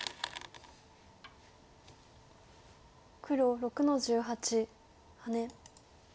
黒６の十八ハネ。